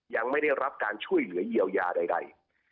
ยังไม่ได้รับการช่วยเหลือเยียวยาใด